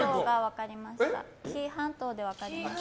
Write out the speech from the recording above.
紀伊半島で分かりました。